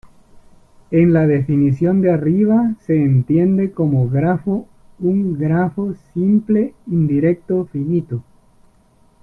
En la definición de arriba se entiende como grafo un grafo simple indirecto finito.